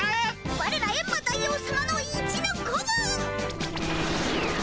ワレらエンマ大王さまの一の子分！